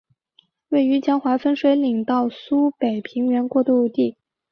位于江淮分水岭到苏北平原过度地。